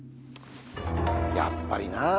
やっぱりなあ。